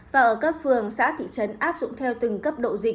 và ở các phường xã thị trấn áp dụng theo từng cấp độ